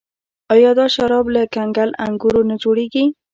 آیا دا شراب له کنګل انګورو نه جوړیږي؟